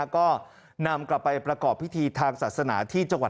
ก็นำกลับไปประกอบพิธีทางศาสนา